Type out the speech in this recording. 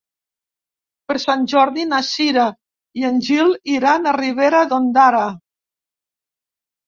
Per Sant Jordi na Cira i en Gil iran a Ribera d'Ondara.